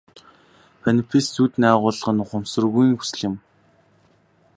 Манифест зүүдний агуулга нь ухамсаргүйн хүсэл юм.